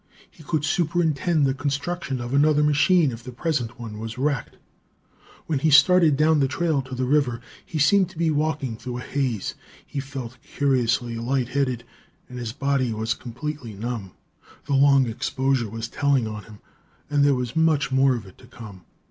He could superintend the construction of another machine if the present one was wrecked. When he started down the trail to the river, he seemed to be walking through a haze. He felt curiously light headed, and his body was completely numb. The long exposure was telling on him, and there was much more of it to come.